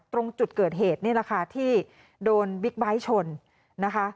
ตรงจุดเกิดเหตุนี่แหละค่ะที่โดนบิ๊กไบท์ชนนะคะ